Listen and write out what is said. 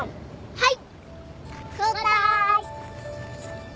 はい。